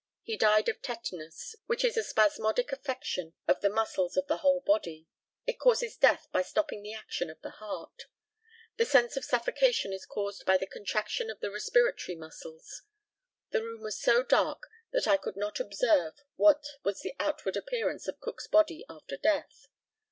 He died of tetanus, which is a spasmodic affection of the muscles of the whole body. It causes death by stopping the action of the heart. The sense of suffocation is caused by the contraction of the respiratory muscles. The room was so dark that I could not observe what was the outward appearance of Cook's body after death.